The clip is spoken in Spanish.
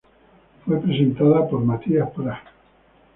Fue presentada por Matías Prats.